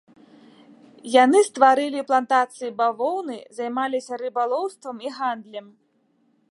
Яны стварылі плантацыі бавоўны, займаліся рыбалоўствам і гандлем.